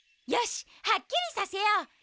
よしはっきりさせよう！